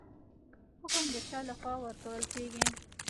حکم د چا لخوا ورکول کیږي؟